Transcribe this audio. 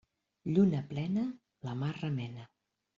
Lluna plena la mar remena.